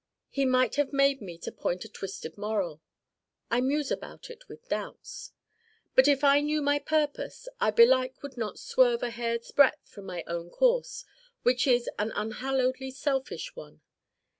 He might have made me to point a twisted moral. I muse about it with doubts. But if I knew my Purpose I belike would not swerve a hair's breadth from my own course which is an unhallowedly selfish one.